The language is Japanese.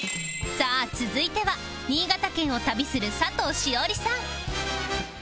さあ続いては新潟県を旅する佐藤栞里さん